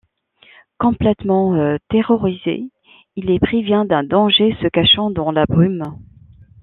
Complètement terrorisé, il les prévient d'un danger se cachant dans la brume.